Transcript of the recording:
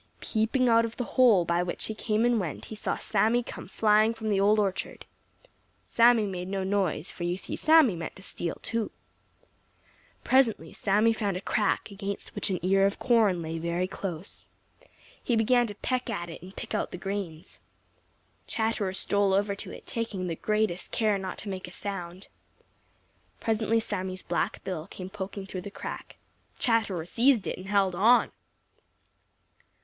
Peeping out of the hole by which he came and went, he saw Sammy come flying from the Old Orchard. Sammy made no noise, for you see Sammy meant to steal, too. Presently Sammy found a crack against which an ear of corn lay very close. He began to peck at it and pick out the grains. Chatterer stole over to it, taking the greatest care not to make a sound. Presently Sammy's black bill came poking through the crack. Chatterer seized it and held on.